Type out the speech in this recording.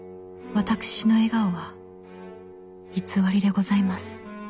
私の笑顔は偽りでございます。